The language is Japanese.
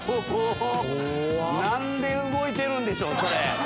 何で動いてるんでしょうそれ。